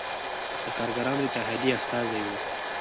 د کارګرانو اتحادیې استازی و.